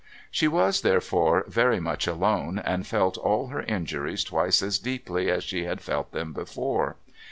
She was, therefore, very much alone, and felt all her injuries twice as deeply as she had felt them before.